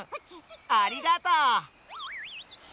ありがとう！